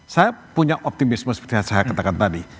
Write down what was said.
saya punya optimisme seperti yang saya katakan tadi